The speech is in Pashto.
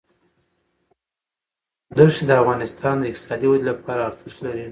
ښتې د افغانستان د اقتصادي ودې لپاره ارزښت لري.